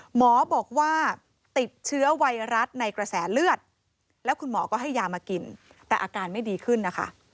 หมอบอกว่าติดเชื้อไวรัสในกระแสเลือดแล้วคุณหมอก็ให้ยามากินแต่อาการไม่ดีขึ้นนะคะ